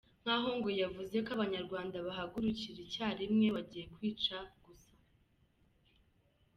Nk’aho ngo yavuze ko abanyarwanda bahagurukira icyarimwe bagiye kwica gusa.